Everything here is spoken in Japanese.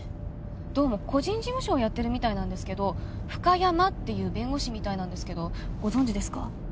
どうも個人事務所をやってるみたいなんですけどフカヤマっていう弁護士みたいなんですけどご存じですか？